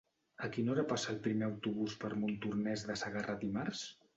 A quina hora passa el primer autobús per Montornès de Segarra dimarts?